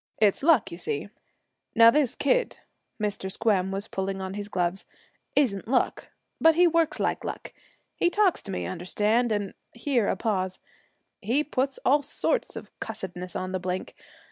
It's luck, you see. Now this kid' Mr. Squem was pulling on his gloves 'isn't luck, but he works like luck. He talks to me, understand, and' here a pause 'he puts all sorts of cussedness on the blink.